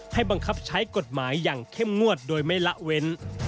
บังคับใช้กฎหมายอย่างเข้มงวดโดยไม่ละเว้น